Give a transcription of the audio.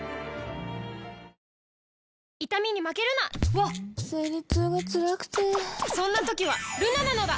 わっ生理痛がつらくてそんな時はルナなのだ！